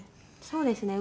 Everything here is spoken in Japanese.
そうですね。